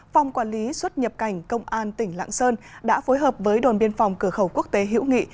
phòng quản lý xuất nhập cảnh công an tỉnh lạng sơn đã phối hợp với đồn biên phòng cửa khẩu quốc tế hữu nghị